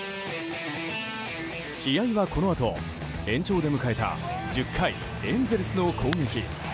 試合はこのあと、延長で迎えた１０回、エンゼルスの攻撃。